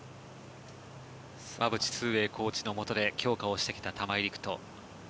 馬淵コーチのもとで強化をしてきた玉井陸斗。